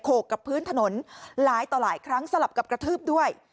กกับพื้นถนนหลายต่อหลายครั้งสลับกับกระทืบด้วย